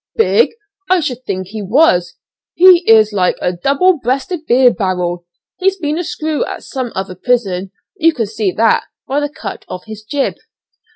"Big! I should think he was. He is like a double breasted beer barrel. He's been a screw at some other prison; you can see that by the cut of his jib."